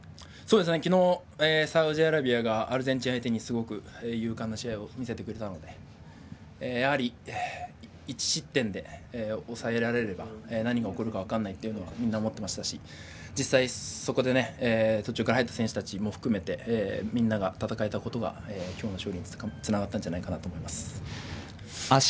昨日、サウジアラビアがアルゼンチン相手に勇敢な試合を見せてくれたのでやはり、１失点で抑えられれば何が起こるか分からないというのはみんな思っていましたし実際、そこで途中から入った選手たちも含めみんなが戦えたことが今日の勝利につながったんじゃないかなと思います。